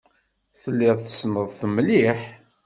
Telliḍ tessneḍ-t mliḥ?